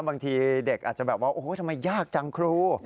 บางทีเด็กอาจจะแบบว่าโอ้โหทำไมยากจังครู